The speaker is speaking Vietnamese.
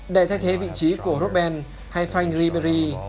để thay thế vị trí của robben hay frank ribery